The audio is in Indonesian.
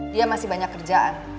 dia masih banyak kerjaan